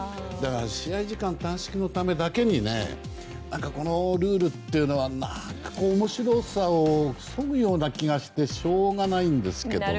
試合時間短縮のためだけにこのルールっていうのは何か面白さをそぐような気がしてしょうがないんですけどね。